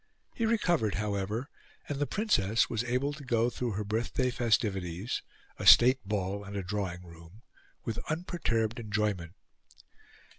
He recovered, however, and the Princess was able to go through her birthday festivities a state ball and a drawing room with unperturbed enjoyment.